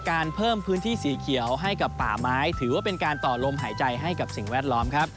เพิ่มพื้นที่สีเขียวให้กับป่าไม้ถือว่าเป็นการต่อลมหายใจให้กับสิ่งแวดล้อมครับ